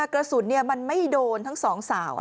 กระสุนมันไม่โดนทั้งสองสาว